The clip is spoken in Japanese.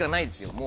もう。